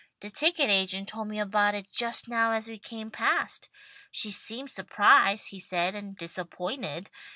The ticket agent told me about it just now as we came past. She seemed surprised, he said, and disappointed.